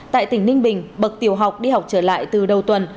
tại tỉnh ninh bình bậc tiểu học đi học trở lại từ đầu tuần